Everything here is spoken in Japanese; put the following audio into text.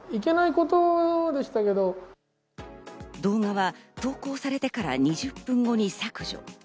動画は投稿されてから２０分後に削除。